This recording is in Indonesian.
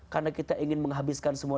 karena kita ingin menghabiskan semua